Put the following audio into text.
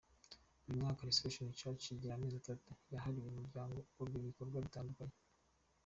Buri mwaka Restaration Church igira amezi atatu yahariwe umuryango, akorwamo ibikorwa bitandukanye.